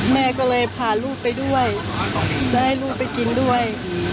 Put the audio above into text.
แม่ก็เลยพาลูกไปด้วยจะให้ลูกไปกินด้วย